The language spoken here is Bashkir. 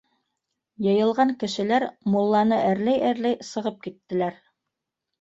— Йыйылған кешеләр мулланы әрләй-әрләй сығып киттеләр.